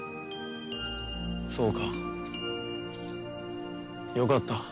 そうかよかった。